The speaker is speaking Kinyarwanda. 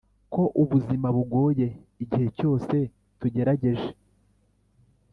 ko ubuzima bugoye igihe cyose tugerageje